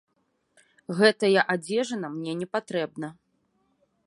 Гэтая адзежына мне не патрэбна.